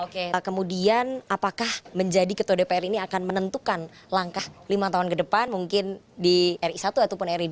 oke kemudian apakah menjadi ketua dpr ini akan menentukan langkah lima tahun ke depan mungkin di ri satu ataupun ri dua